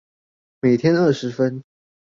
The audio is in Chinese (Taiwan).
每天二十分